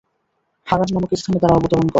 হারান নামক স্থানে তারা অবতরণ করেন।